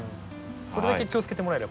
それだけ気をつけてもらえれば。